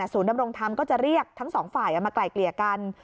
ดำรงธรรมก็จะเรียกทั้งสองฝ่ายมาไกล่เกลี่ยกัน